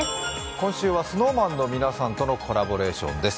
今週はＳｎｏｗＭａｎの皆さんとのコラボレーションです。